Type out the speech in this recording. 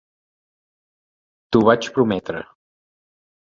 T'ho vaig prometre.